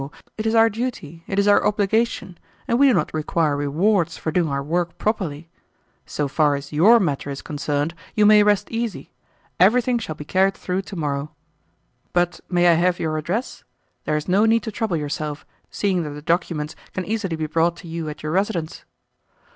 It is our duty, it is our obligation, and we do not require rewards for doing our work properly. So far as YOUR matter is concerned, you may rest easy. Everything shall be carried through to morrow. But may I have your address? There is no need to trouble yourself, seeing that the documents can easily be brought to you at your residence."